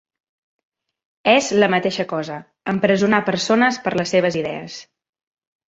És la mateixa cosa: empresonar persones per les seves idees.